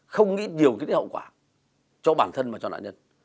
không nghĩ nhiều cái hậu quả cho bản thân và cho nạn nhân